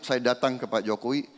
saya datang ke pak jokowi